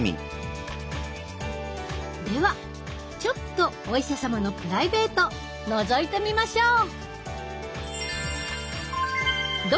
ではちょっとお医者様のプライベートのぞいてみましょう！